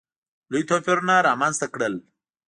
لوی توپیرونه رامځته کړل.